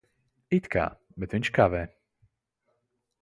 It kā. Bet viņš kavē.